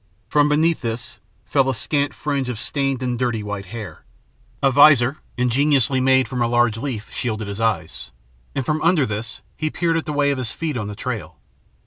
From beneath this fell a scant fringe of stained and dirty white hair. A visor, ingeniously made from a large leaf, shielded his eyes, and from under this he peered at the way of his feet on the trail.